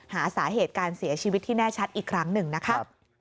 หาสาเหตุการเสียชีวิตที่แน่ชัดอีกครั้งหนึ่งนะคะ